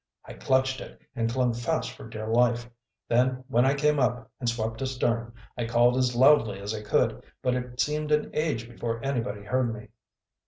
I clutched it and clung fast for dear life. Then when I came up and swept astern I called as loudly as I could, but it seemed an age before anybody heard me."